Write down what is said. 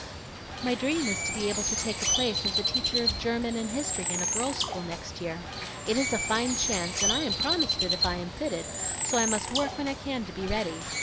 "My dream is to be able to take a place as teacher of German and history in a girl's school next year. It is a fine chance, and I am promised it if I am fitted; so I must work when I can to be ready.